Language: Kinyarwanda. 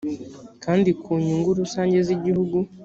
kandi ku nyungu rusange z igihugu